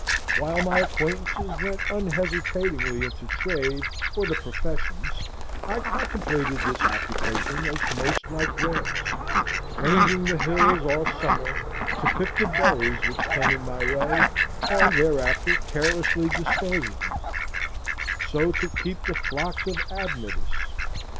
While my acquaintances went unhesitatingly into trade or the professions, I contemplated this occupation as most like theirs; ranging the hills all summer to pick the berries which came in my way, and thereafter carelessly dispose of them; so, to keep the flocks of Admetus.